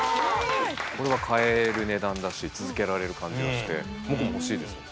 これは買える値段だし続けられる感じがして僕も欲しいです。